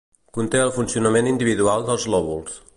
Conté el funcionament individual dels lòbuls.